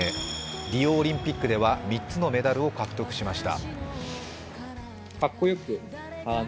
リオオリンピックでは３つのメダルを獲得しました。